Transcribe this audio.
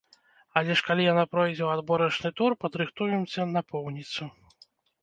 Але ж калі яна пройдзе ў адборачны тур, падрыхтуемся напоўніцу.